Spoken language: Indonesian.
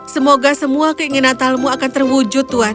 semoga semua keinginan talmu akan terwujud tuhan